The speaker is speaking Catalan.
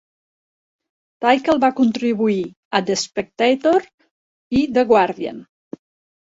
Tickell va contribuir a "The Spectator" i "The Guardian".